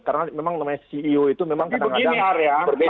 karena memang namanya ceo itu memang kadang kadang berbeda